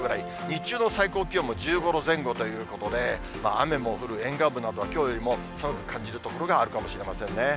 日中の最高気温も１５度前後ということで、雨も降る沿岸部などは、きょうよりも寒く感じる所があるかもしれませんね。